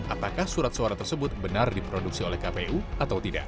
apakah surat suara tersebut benar diproduksi oleh kpu atau tidak